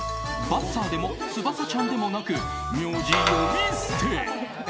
ばっさーでも翼ちゃんでもなく名字呼び捨て。